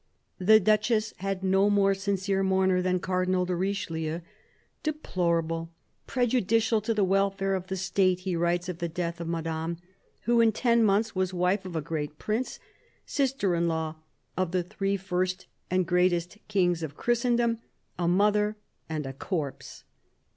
The Duchess had no more sincere mourner than Car dinal de Richelieu. " Deplorable ... prejudicial to the welfare of the State," he writes of the death of Madame, "... who in ten months was wife of a great prince, sister in law of the three first and greatest kings of Christendom, a mother, and a corpse."